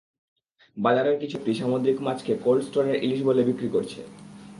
বাজারের কিছু ব্যক্তি সামুদ্রিক মাছকে কোল্ড স্টোরের ইলিশ বলে বিক্রি করছে।